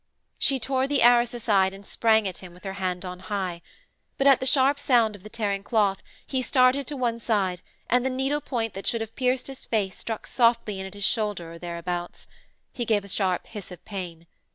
She tore the arras aside and sprang at him with her hand on high. But, at the sharp sound of the tearing cloth, he started to one side and the needle point that should have pierced his face struck softly in at his shoulder or thereabouts. He gave a sharp hiss of pain....